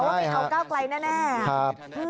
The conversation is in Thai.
ว่าไม่เอาก้าวกล่ายแน่